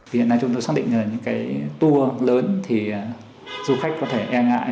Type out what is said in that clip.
vì hiện nay chúng tôi xác định là những cái tour lớn thì du khách có thể e ngại